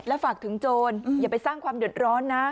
ฝากถึงโจรอย่าไปสร้างความเดือดร้อนนะ